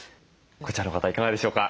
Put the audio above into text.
こちらの方いかがでしょうか？